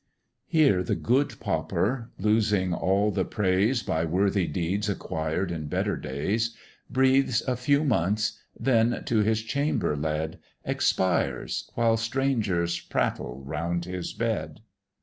Here the good pauper, losing all the praise By worthy deeds acquired in better days, Breathes a few months, then, to his chamber led, Expires, while strangers prattle round his bed.